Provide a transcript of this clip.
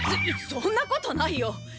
そそんなことないよ。